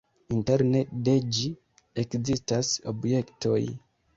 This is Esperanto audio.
Interne de ĝi ekzistas objektoj.